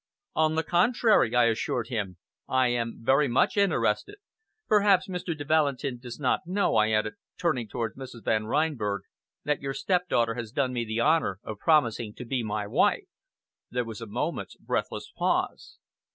"On the contrary," I assured him, "I am very much interested. Perhaps Mr. de Valentin does not know," I added, turning towards Mrs. Van Reinberg, "that your stepdaughter has done me the honor of promising to be my wife." There was a moment's breathless pause.